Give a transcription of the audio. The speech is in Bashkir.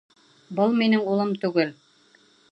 — Был минең улым түгел!